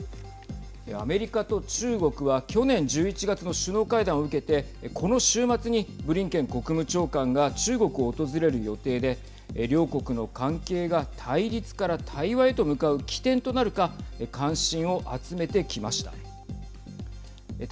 アメリカと中国は去年１１月の首脳会談を受けてこの週末にブリンケン国務長官が中国を訪れる予定で両国の関係が対立から対話へと向かう起点となるか関心を集めてきました。